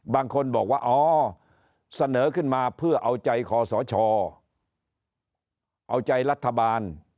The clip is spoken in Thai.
บางคนบอกว่าอ๋อเสนอขึ้นมาเพื่อเอาใจคอสชเอาใจรัฐบาล